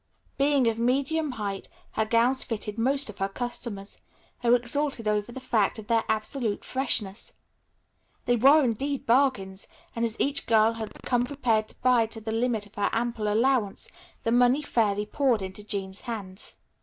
Being of medium height, her gowns fitted most of her customers, who exulted over the fact of their absolute freshness. They were indeed bargains, and, as each girl had come prepared to buy to the limit of her ample allowance, the money fairly poured into Jean's hands.